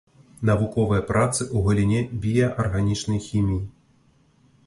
Навуковыя працы ў галіне біяарганічнай хіміі.